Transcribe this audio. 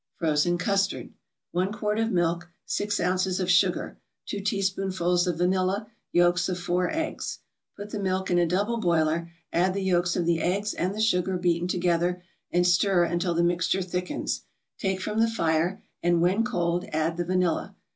FROZEN CUSTARD 1 quart of milk 6 ounces of sugar 2 teaspoonfuls of vanilla Yolks of four eggs Put the milk in a double boiler, add the yolks of the eggs and the sugar beaten together, and stir until the mixture thickens. Take from the fire, and, when cold, add the vanilla.